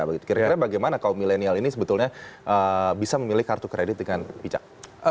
kira kira bagaimana kaum milenial ini sebetulnya bisa memilih kartu kredit dengan bijak